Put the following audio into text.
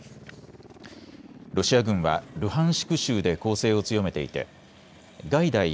ロシア軍はルハンシク州で攻勢を強めていてガイダイ